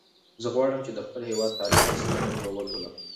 زه غواړم چې د خپل هېواد تاریخ په سمه توګه ولولم.